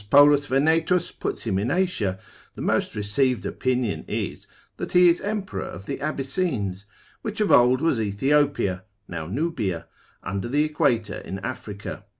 Polus Venetus puts him in Asia, the most received opinion is, that he is emperor of the Abyssines, which of old was Ethiopia, now Nubia, under the equator in Africa.